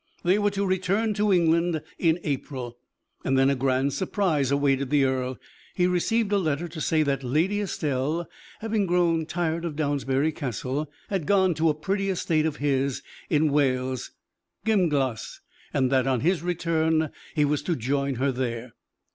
They were to return to England in April; and then a grand surprise awaited the earl. He received a letter to say that Lady Estelle, having grown tired of Downsbury Castle, had gone to a pretty estate of his in Wales Gymglas and that, on his return, he was to join her there.